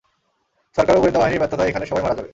সরকার ও গোয়েন্দা বাহিনীর ব্যর্থতায় এখানের সবাই মারা যাবে।